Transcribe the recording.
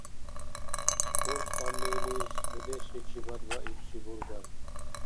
Спорт кьалли илис дудешличибад баибси бургар?